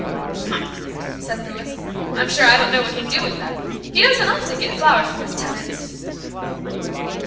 "Humph!" said Louis, "I'm sure I don't know what he'd do with them. He doesn't often get flowers from his tenants."